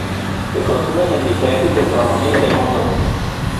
Se consumen en diferentes gastronomías del mundo.